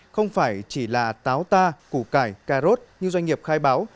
không phải chỉ là táo ta củ cải cà rốt như doanh nghiệp khai báo